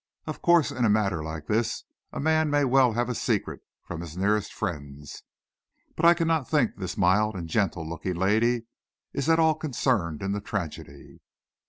Of course, in a matter like this, a man may well have a secret from his nearest friends, but I cannot think this mild and gentle looking lady is at all concerned in the tragedy."